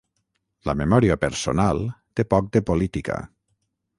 La memòria personal té poc de política.